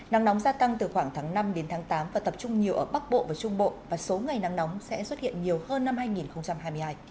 nắng nóng gia tăng từ khoảng tháng năm đến tháng tám và tập trung nhiều ở bắc bộ và trung bộ và số ngày nắng nóng sẽ xuất hiện nhiều hơn năm hai nghìn hai mươi hai